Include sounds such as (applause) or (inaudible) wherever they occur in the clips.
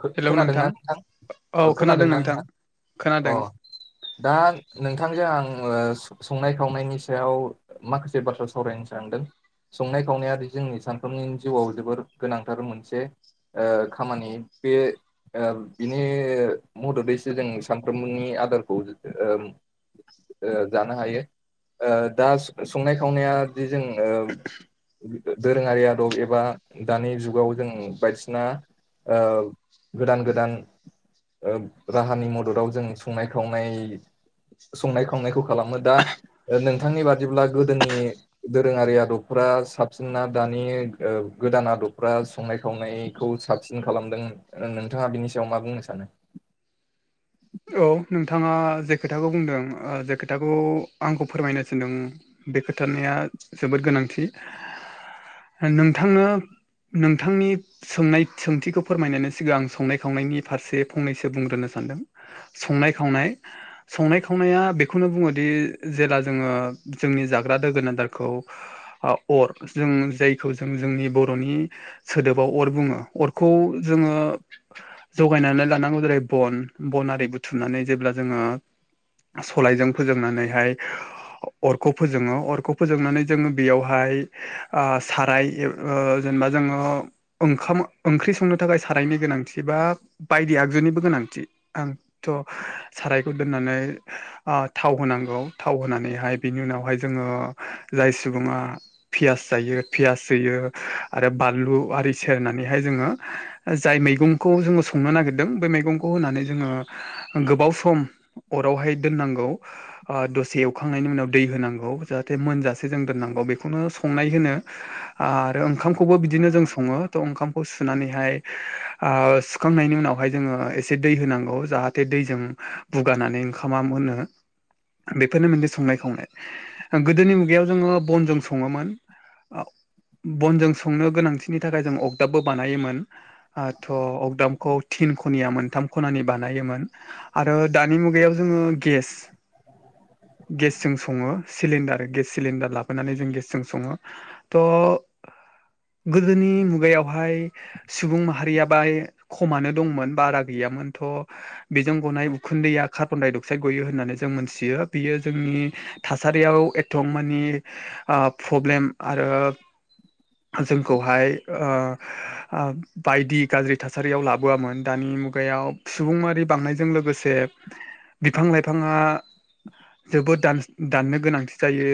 खो-खोनादोंना नोंथां ओ औ खोनादों खोनादोंना नोंथां? खोनादों अ दा नोंथांजों आं ओ संनाय खावनायनि सायाव माखासे बाथ्रा सावरायनो सानदों । संनाय खावनायादि जोंनि सानफ्रोमनि जिउआव जोबोर गोनांथार मोनसे ओ खामानि । बेयो ओ बिनि मददैसो जों सानफ्रोमबोनि आदारखौ ओ ओ जानो हायो ओ दा स-संनाय खावनायादि जों ओ दोरोङारि आदब एबा दानि जुगाव जों बायदिसिना ओ गोदान गोदान ओब राहानि मददाव जों संनाय खावनाय संनाय खावनायखौ खालामो दा ओ नोंथांनि बादिब्ला गोदोनि दोरोङारि आदबफोरा साबसिनना दानि ओब गोदान आदबफ्रा संनाय खावनायखौ साबसिन खालामदों ओ नोंथाङा बिनि सायाव मा बुंनो सानो? औ नोंथाङा जे खोथाखौ बुंदों ओ जे खोथाखौ आंखौ फोरमायनो थिनदों बे खोथानिया जोबोद गोनां । थि नोंथांनो नोंथांनि सोंनाय सोंथिखौ फोरमायनोनो सिगां संनाय खावनायनि फारसे फंनैसो बुंग्रोनो सानदों । संनाय खावनाय संनाय खावनाया बेखौनो बुङोदि जेला जोङो जोंनि जाग्रा दोगोन आदारखौ ओ अर जों जायखौ जों जोंनि बर'नि सोदोबाव अर बुङो अरखौ जोङो जगायनानै लानांगौ जेरै बन बन आरि बुथ थुमनानै जेब्ला जोङो सलायजों फोजोंनानैहाय अरखौ फोजोङो अरखौ फोजोंनानै जोङो बेयावहाय ओ साराय जे ओ जेनेबा जोङो ओंखाम ओंख्रि संनो थाखाय साराय नि गोनांथि बा बायदि आगजुनिबो गोनांथि आं थ सारायखौ दोननानै ओ थाव होनांगौ थाव होनानैहाय बिनि उनावहाय जोङो ओ जाय सुबुंआ पियास जायो पियास होयो आरो बानलु आरि सेरनानैहाय जोङो जाय मैगंखौ जोङो संनो नागिरदों बै मैगंखौ होनानै जोङो गोबाव सम अरावहाय दोननांगौ ओ दसे एवखांनायनि उनाव दै होनांगौ । जाहाथे मोनजासे जों दोननांगौ बेखौनो संनाय होनो आरो ओंखामखौबो बिदिनो जों सं ङो त ओंखामखौ सुनानैहाय ओ सुखांनायनि उनावहाय जोङो एसे दै होनांगौ । जाहाथे दैजों बुगानानै ओंखामा मोनो । बेफोरनो मोनसे संनाय खावनाय ओ गोदोनि मुगायाव जोङो बनजों सङोमोन । औ । बनजों संनो गोनांथिनि थाखाय जों अगदाबबो बानायोमोन ओ थ अगदाबखौ थि न खनिया मोनथाम खनानि बानायोमोन आरो दानि मुगायाव जोङो गेस (inaudible) गेसजों सङो सिलिन्दार गेस सिलिन्दार लाबोनानै जों गेसजों सङो थ गोदोनि मुगायावहाय सुबुं माहारिया बाय खमानो दंमोन बारा गैयामोन। थ बेजों गनाय उखुन्दैया कार्बन डाइ अक्साइद गयो होननानै जों मोनथियो बेयो जोंनि थासारियाव एथम मानि ओ प्रब्लेम आरो जोंखौहाय ओ ओ बायदि गाज्रि थासारियाव लाबोआमोन दानि मुगायाव सुबुं मारि बांनायजों लोगोसे बिफां लाइफाङा जोबोद दानस-दाननो गोनांथि जायो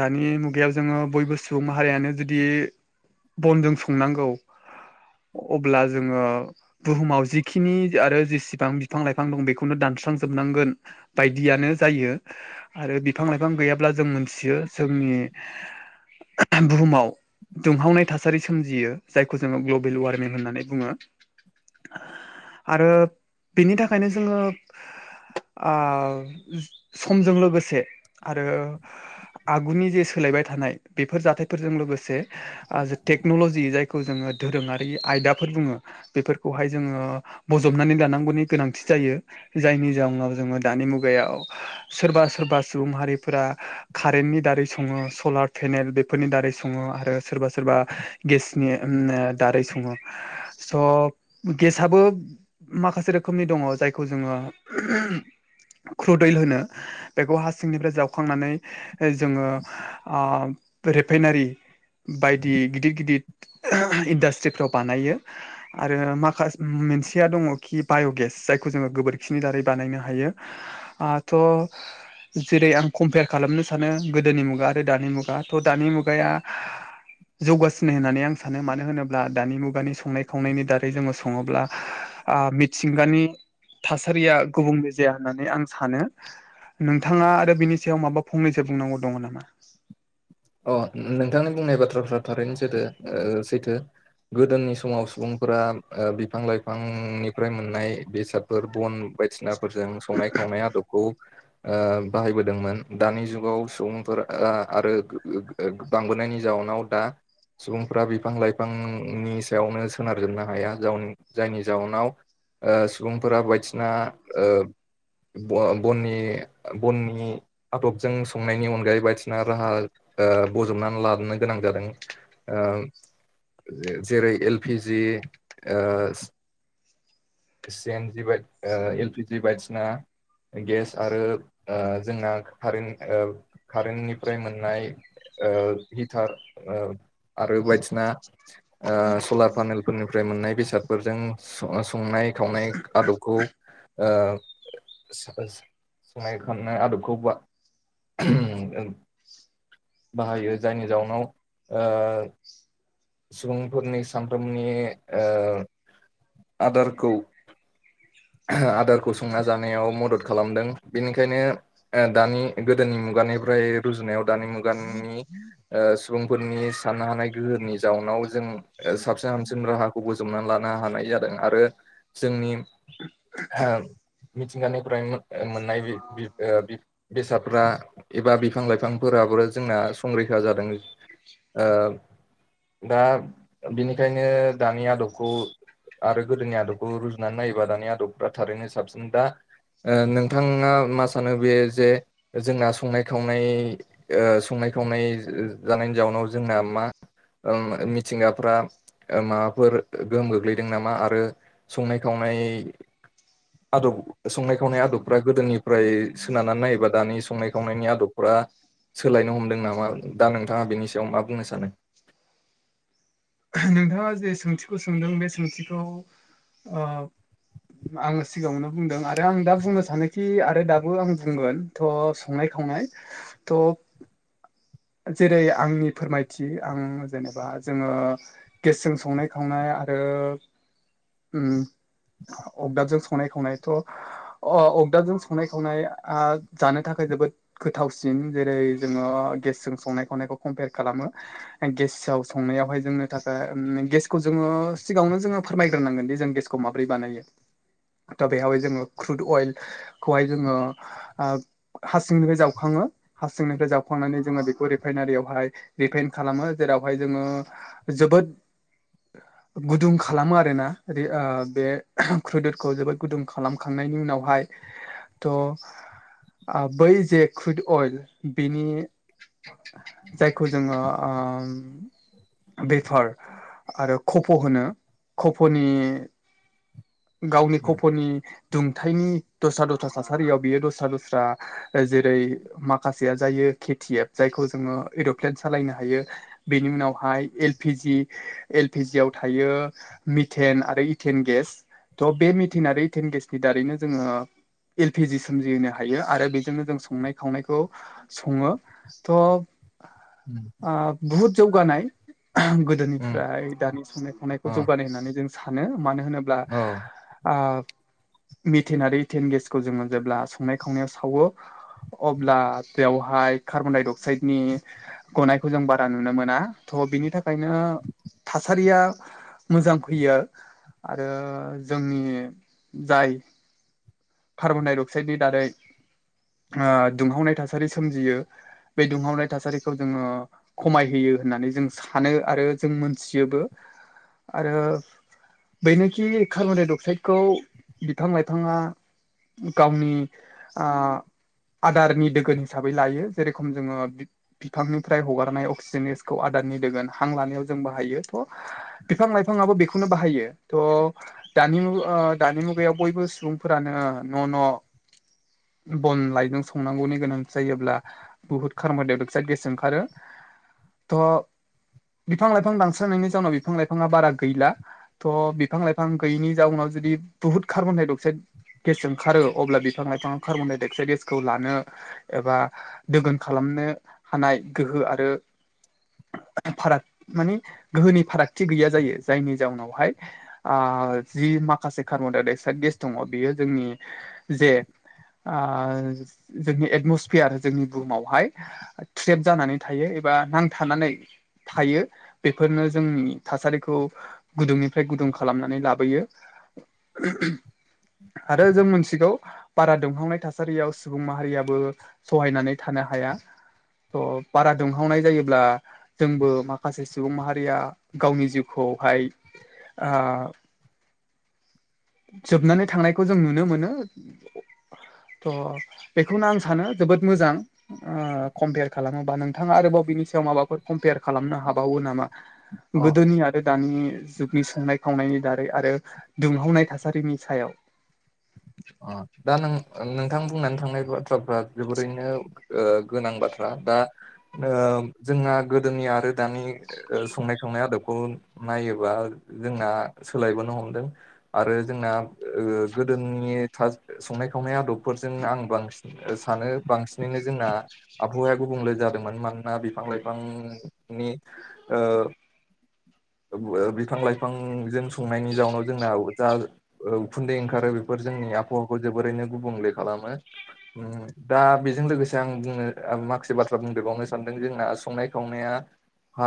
दानि मुगायाव जोङो बयबो सुबुं माहारिया जुदि बनजों सनांगौ अब्ला जोङो बुहुमाव जिखिनि आरो जेसेबां बिफां लाइफां दं बेखौनो दानस्रांजोबनांगोन बायदियानो जायो आरो बिफां लाइफां गैयाब्ला जों मोनथियो जोंनि बुहुमाव दुंहावनाय थासारि सोमजियो जायखौ जोङो ग्लबेल वार्मिं होननानै बुङो। (inaudible) आरो बिनि थाखायनो जोङो ओ समजों लोगोसे आरो आगुनि जे सोलाय बाय थानाय बेफोर जाथायफोरजों लोगोसे ओ जे टेकनलजि जायखौ जोङो दोरोंआरि आयदा दाफोर बुङो बेफोरखौहाय जोङो बजबनानै दानांगौनि गोनांथि जायो जायनि जाउनाव जोङो दानि मुगायाव सोरबा सोर बा सुबुं हारिफोरा कारेन्टनि दारै सङो सलार पेनेल बेफोरनि दारै सङो आरो सोरबा सोरबा गेसनि दारै सङो स' गेसआबो माखासे रोखोमनि दङ जायखौ जोङो ख्रुदैल होनो बेखौ हा सिंनिफ्राय जावखांनानै जोङो रेफाइनारि बायदि गिदिर गिदिर इन्डास्ट्रिफ्राव बानायो आरो माखा मोनसे सेया दङ खि बाय'गेस जायखौ जोङो गोबोरखिनि दारै बानायनो हायो थ जेरै आं कम्पेयार खालामनो सानो गोदोनि मुगा आरो दानि मुगा थ' दानि मुगाया जौगासिनो होननानै आं सानो मानो होनोब्ला दानि मुगानि संनाय खावनायनि दारै जोङो सङोब्ला मिथिंगानि थासारिया गुबुंले जाया होननानै आं सानो। नोंथाङा आरो बिनि सायाव माबा फंनैसो बुंनांगौ दङ नामा? अ नोंथांनि बुंनाय बाथ्राफ्रा थारैनो जादो सैथो। गोदोनि समाव सुबुंफोरा बिफां लाइफांनिफ्राय मोननाय बेसादफोर बन बायदिसिना फोरजों संनाय खावनाय आदबखौ बाहायबोदोंमोन दानि जुगाव सुबुंफोरआ आरो बांबोनायनि जाउनाव दा सुबुंफ्रा बिफां लाइफांनि सायावनो सोनारजोबनो हाया जाउ जायनि जाउनाव सुबुंफोरा बायदिसिना बननि बननि आदबजों संनायनि अनगायै बायदिसिना राहा बजबनानै लानो गोनां जादों। जेरै एलपिजि सि एनजि बाइ एलपिजि बाइदिसिना गेस आरो जोंना कारेन्ट कारेन्टनिफ्राय मोननाय हिटार आरो बायदिसिना सलार पानेल फोरनिफ्राय मोननाय बेसादफोरजों सं-संनाय खावनाय आदबखौ सा-सा-संनाय खांनाय आदबखौ बा बाहायो जायनि जाउनाव सुबुंफोरनि सामफ्रोमनि आदारखौ आदारखौ संना जानायाव मदद खालामदों बेनिखायनो दानि गोदोनि मुगा मुगानिफ्राय रुजुनायाव दानि मुगानि सुबुंफोरनि साननो हानाय गोहोनि जाउनाव खौ साबन हामसिन राहाखौ बोजबनानै लानो हानाय जादों आरो जोंनि हाम मिथिंगानिफ्राय मो मोन्नाय बि-बि-बि बेसादफ्रा एबा बिफां लाइफांफोरा फाबोरा जोंना संरैखा जादों। ओ दा बिनिखायनो दानि आदबखौ आरो गोदोनि आदबखौ रुजुनानै नायोबा दानि आदबफ्रा थारैनो साबसिन दा ओ नोंथांङा मा सानो बे जे जोंना संनाय खावनाय ओ संनाय नाय खावनाय जो जानायनि जाउनाव जोंना मा ओम मिथिंगाफ्रा माबाफोर गोहोम गोग्लैदों नामा आरो संनाय खावनाय आदब संनाय खावनाय आदबफ्रा गोदोनिफ्राय सोनारनानै नायोबा दानि संनाय खावनायनि आदब फोरा सोलायनो हमदों नामा? दा नोंथांङा बेनि सायाव मा बुंनो सानो? नोंथांङा जे सोंथिखौ सोंदों बे सोंथिखौ ओ आंङो सिगांङावनो बुंदों आरो आं दा बुंनो सानोखि आरो दाबो आं बुंगोन थ' संनाय थंनाय (inaudible) जेरै आंनि फोरमायथि आं जेनेबा जोंङो गेसजों संनाय खावनाय आरो उम अगदाबजों संनाय खावनाय थ' अ अगदाबजों संनाय खावनाय जानो थाखाय जोबोद गोथावसिन जेरै जोंङो गेस जों संनाय खावनायखौ कम्पयार खालामो गेसाव संनायावहाय जोंनो थाखाय गेसखौ जोंङो सिगांङावनो जोंङो फोरमायग्रोनांगोन दि जों गेसखौ माबोरै बानायो। दा बेहहाय जोंङो क्रुद अइल खौहाय जोंङो हा सिंनिफ्राय जावखांङो। ङो हारसिंनिफ्राय जावखांनानै जोंङो बे बो रिफाइनारियावहाय रिफाइन खालामो जेरावहाय जोंङो जोबोद गुदुं खालामो आरोना बे क्रुदतखौ जोबोद गुदुं खालामखां दिहुननायनि उनावहाय थ आ बै जे कुइद अइल बिनि जायखौ जोंङो ओम बेफार आरो कफ' होनो कफ'नि गावनि उम खफ'नि दुंथायाइनि दस्रा दस्रा थासारियाव बेयो दस्रा दस्रा जेरै माखासेया जायो । खेथियेब जायखौ जोंङो एर'प्लेन सालायनो हायो बेनि उनावहाय L P G L P G आव थायो मिथेन आरो इथेन गेस थह बे मिटिनारिइटेन गेसनि दारैनो जोंङो एल पि जि सोमजिहोनो हायो आरो बेजोंनो जों संनाय खावनायखौ संङो थह उम ओ बहुत जौगानाय उम गोदोनिफ्राय दानि संनाय खावनायखौ अ जौगानाय होननानै जों सानो मानो होनो औ आ मिथेन आरो इटेन गेसखौ जोंङो जेब्ला संनाय खावनायाव सावो अब्ला बेवहाय कार्बन-डाइ-अक्साइदनि गनायखौ जों बारा नुनो मोना। अ बिनि थाखायनो थासारिया मोजां फैयो आरो जोंनि जाय कार्बन-डाइ-अक्साइडनि दारै हो दुंहावनाय थासारि सोमजियो बे दुंहावनाय थासारिखौ जोंङो खमायहैयो। यो होननानै जों सानो आरो जों मोनथियोबो आरो बेनोखि कार्बनडाइ अक्साइदखौ बिफां लाइफांङा गावनि आ आदारनि दोगोन हिसाबै लायो जेरेखम जोंङो बिफांनिफ्राय हगारनाय अक्सिजेनस खौ आदार थोरनि दोगोन हां लानो जों बाहायोथ बिफां लाइफांयाबो बेखौनो बाहायो थ दानि मुग ओ दानि मुगायाव बयबो सुबुंफोरानो न' न' बन लाइजों संनांगौनि गोनांथि जायोब्ला बुहुत कार्बन-डाइ-अक्साइद गेस ओंखारो। थ' बिफां लाइफां बांस्रांनायनि जाउनाव बिफां लाइफाङा बारा गैला थ' बिफां लाइफां गैयिनि जाउनाव जुदि बहुत कार्बन दाइ अक्साइद गेस ओंखारो अब्ला बिफां लाइफां कार्बन दाइ अक्साइद गेसखौ लानो एबा दोगोन खालामनो हानाय गोहो आरो (inaudible) (unintelligible) फाराग माने गोहोनि फारागथि गैया जायो जायनि जाउनावहाय ओ जि माखासे कार्बनडाइक्साइद गेस दङ बेयो जोंनि जे आ जोंनि एटमसफेयार जोंनि बुहुमावहाय ट्रेब जानानै थायो। बा थानानै थानानै थायो बेफोरनो जोंनि थासारिखौ गुदुंनिफ्राय गुदुं खालामनानै लाबोयो। आरो जों मोनथिगौ बारा दुंहांनाय थासारियाव सुबुं माहारियाबो सहायनानै थानो हा या। थ' बारा दुंहावनाय जायोब्ला जोंबो माखासे सुबुं माहारिया गावनि जिउखौ खौ हाय आ जोबनानै थांनायखौ जों नुनो मोनो। थह बेखौनो आं सानो जोबोद मोजां कम्पियार खालामोबा नोंथाङा आरोबाव बिनि सायाव माबाफोर कम्पेयार खालामनो हाबावो नामा अ गोदोनि आरो दानि जुगनि सोंनाय खावनायनि दारै आरो दुंहावनाय थासारिनि सायाव अ दा नों नोंथां बुंनानै थांनाय बाथ्राफ्रा जोबोरैनो गोनां बाथ्रा दा जोंना गोदोनि आरो दानि संनाय खावनाय आदब खौनायोबा जोंना सोलायबोनो हमदों आरो जोंना जोंनि संनाय खावनाय आदबफोरजोंनो आं बांसिन सानो बांसिनैनो जोंना आबहावाया गुब गुबुंले जादोंमोन मानोना बिफां लाइफांनि बिफां लाइफांजों संनायनि जाउनाव जोंना जा उखुन्दै ओंखारो बेफोर जोंनि आफ हावाखौ जोबोरैनो गुबुंले खालामो। दा बेजों लोगोसे आं जोंनो माखासे बाथ्रा बुंदबावनो सानदों जोंना संनाय खावनाया ओ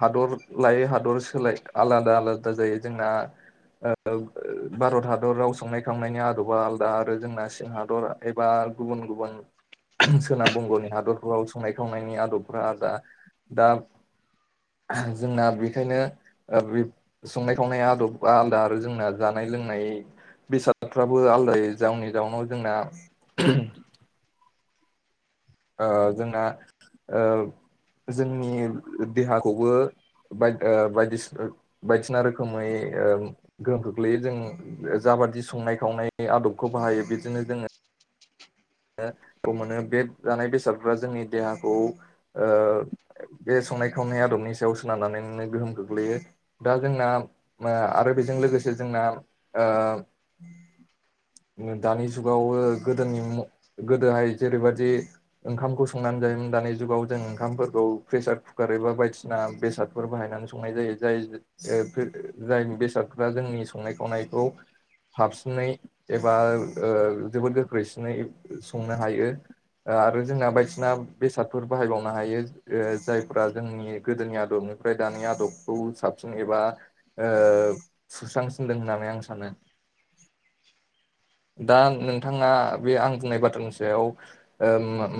हादर लायै हादर सोलाय आलादा आलादा जायो जोंना ओ भारत हादराव संनाय खांनायनि आदार आरोबा आलदा आरो जोंना सिं हादर एबा गुबुन गुबुन सोनाब बंग'नि हादरफोराव संनाय खावनायनि आदबफोरा आलादा दा जोंना बेखायनो बे संनाय खावनाया आदब आलादा आरो जोंना जानाय लोंनाय बेसाद फ्राबो आलदायै जावनि जाउनाव जोंना ओ जोंना ओ जोंनि देहाखौबो बायदिना ओ बायदिसिना रोखोमै गोहोम खोख्लैयो जों जा खाबादि संनाय खावनाय आदबखौ बाहायो बेजोंनो जोङो मोनो बे जानाय बेसादफ्रा जोंनि देहाखौ ओ बेस संनाय खावनाय आदबनि सायाव सोनारनानैनो गोहोम गोग्लैयो दा जोंना आरो बेजों लोगोसे जोंना ओ दानि जुगाव गोदोनि गोदोहाय जेरैबायदि ओंखामखौ संनानै जायोमोन दानि जुगाव जों ओंखामफोरखौ प्रेसार कुकार बदिसिना बेसाद बाहायनानै संनाजायो बिदिनो जोंनि संनाय खावनायखौ थाबसिनै एबा जोबोद गोख्रैसिनै संनो हायो। आरो जोंना बायदिना बेसादफोर बाहायबावनो हायो जायफ्रा जोंनि गोदोनि आदब बेनिफ्राय दानि आदबखौ साबसिन एबा ओ सुस्रांसिनदों होननानै आं सानो (inaudible) (unintelligible) दा नोंथाङा बे आं बुंनाय बाथ्रानि सायाव ओम मा